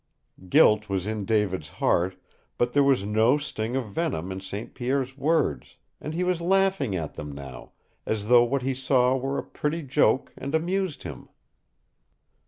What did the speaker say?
Guilt was in David's heart, but there was no sting of venom in St. Pierre's words, and he was laughing at them now, as though what he saw were a pretty joke and amused him.